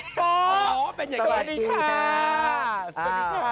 สวัสดีค่ะ